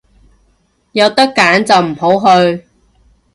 有得揀就唔好去